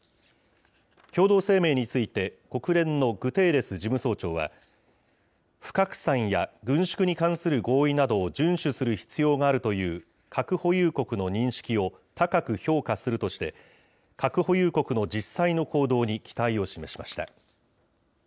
共同声明について、国連のグテーレス事務総長は、不拡散や軍縮に関する合意などを順守する必要があるという核保有国の認識を高く評価するとして、核保有国の実際の行動に期待を示しました。